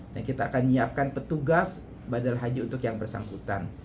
dan kita akan menyiapkan petugas badal haji untuk yang bersangkutan